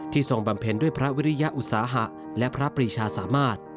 ทรงบำเพ็ญด้วยพระวิริยอุตสาหะและพระปรีชาสามารถ